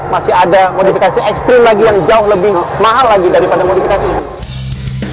masih ada modifikasi ekstrim lagi yang jauh lebih mahal lagi daripada modifikasi